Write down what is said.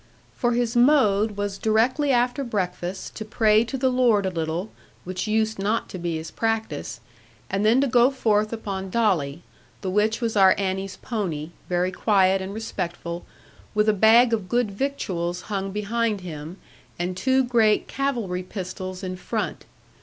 For his mode was directly after breakfast to pray to the Lord a little (which used not to be his practice), and then to go forth upon Dolly, the which was our Annie's pony, very quiet and respectful, with a bag of good victuals hung behind him, and two great cavalry pistols in front.